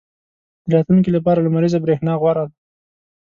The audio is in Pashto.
• د راتلونکي لپاره لمریزه برېښنا غوره ده.